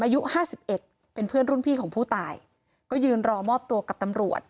อายุห้าสิบเอ็ดเป็นเพื่อนรุ่นพี่ของผู้ตายก็ยืนรอมอบตัวกับตำรวจ